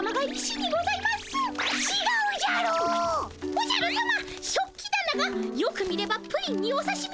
おじゃるさま食器だながよく見ればプリンにおさしみヨーグルト！